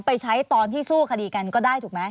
ไปใช้ตอนที่สู้คดีกันก็ได้ถูกไหม